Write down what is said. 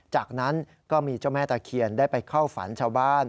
จากนั้นก็มีเจ้าแม่ตะเคียนได้ไปเข้าฝันชาวบ้าน